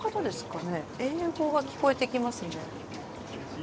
英語が聞こえてきますね。